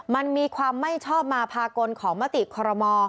มันมีความไม่ชอบมาพากลของมติคอรมอ